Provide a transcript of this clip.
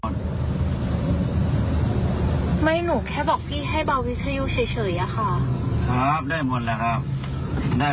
นี่ค่ะไปต่อด้วยกันไม่ได้